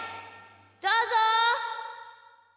どうぞ！